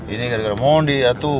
ini gara gara mondi ya tuh